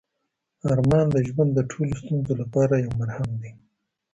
ارمان د ژوند د ټولو ستونزو لپاره یو مرهم دی.